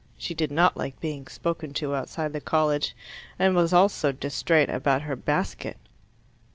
She did not like being spoken to outside the college, and was also distrait about her basket.